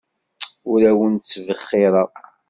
Ur awent-ttbexxireɣ.